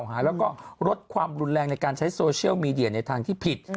หายแล้วก็ลดความรุนแรงในการใช้โซเชียลมีเดียในทางที่ผิด